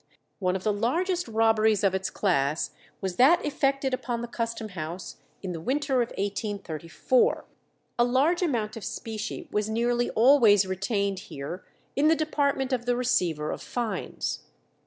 One of the largest robberies of its class was that effected upon the Custom House in the winter of 1834. A large amount of specie was nearly always retained here in the department of the Receiver of Fines.